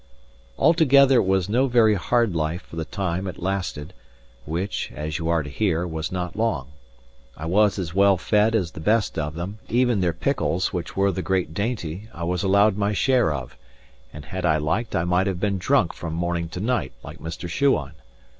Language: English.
Altogether it was no very hard life for the time it lasted, which (as you are to hear) was not long. I was as well fed as the best of them; even their pickles, which were the great dainty, I was allowed my share of; and had I liked I might have been drunk from morning to night, like Mr. Shuan.